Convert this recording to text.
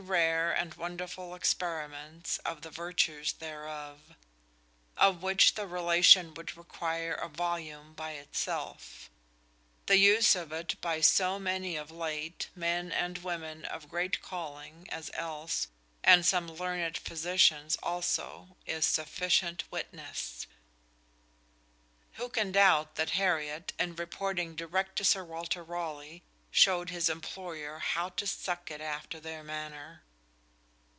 manie] rare and wonderful experiments of the vertues thereof: of which the relation woulde require a volume by itselfe: the use of it by so manie of late, men and women of great calling as else, and some learned Physitians also, is sufficient witness." Who can doubt that Hariot, in reporting direct to Sir Walter Raleigh, showed his employer how "to suck it after their maner"?